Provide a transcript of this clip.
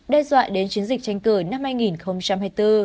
đe dọa đến chiến dịch tranh cử năm hai nghìn hai mươi bốn